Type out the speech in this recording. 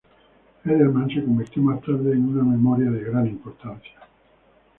Edelman se convirtió más tarde en una mentora de gran importancia.